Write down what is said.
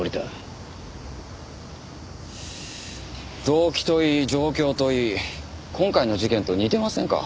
動機といい状況といい今回の事件と似てませんか？